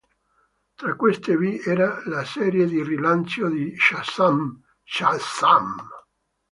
Tra queste vi era la serie di rilancio di Shazam: "Shazam!".